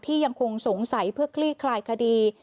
ยังคงสงสัยเพื่อคลี่คลายคดี